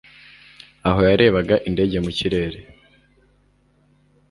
aho yarebaga indege mu kirere